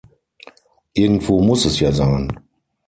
Irgendwo muss es ja sein.